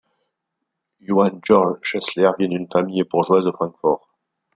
Johann Georg Schlosser vient d'une famille bourgeoise de Francfort.